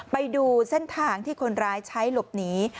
ไปดูเส้นทางที่คนร้ายใช้หลบหนี